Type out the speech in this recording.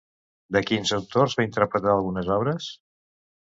De quins autors va interpretar algunes obres?